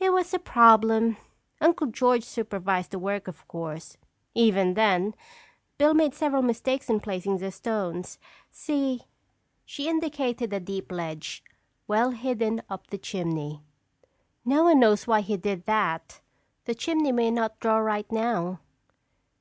"It was a problem. Uncle George supervised the work, of course. Even then, Bill made several mistakes in placing the stones. See—" she indicated a deep ledge, well hidden up the chimney. "No one knows why he did that. The chimney may not draw right now."